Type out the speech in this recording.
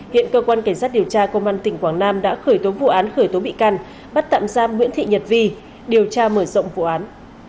hiện cơ quan cảnh sát điều tra công an tỉnh quảng nam đã khởi tố vụ án khởi tố bị can bắt tạm giam nguyễn thị nhật vi điều tra mở rộng vụ án